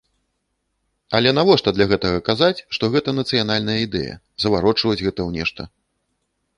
Але навошта для гэтага казаць, што гэта нацыянальная ідэя, заварочваць гэта ў нешта?